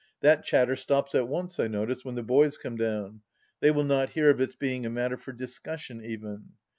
That chatter stops at once, I notice, when the boys come down. They will not hear of its being a matter for discussion even.